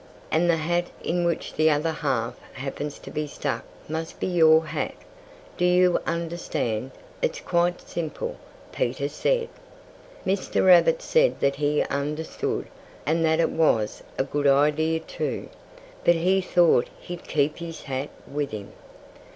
And the hat in which the other half happens to be stuck must be your hat. Do you understand? It's quite simple," Peter said. Mr. Rabbit said that he understood, and that it was a good idea, too. But he thought he'd keep his hat with him.